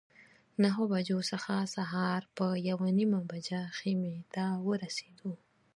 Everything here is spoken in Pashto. نهه بجو څخه سهار په یوه نیمه بجه خیمې ته ورسېدو.